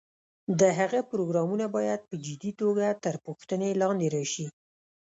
د هغه پروګرامونه باید په جدي توګه تر پوښتنې لاندې راشي.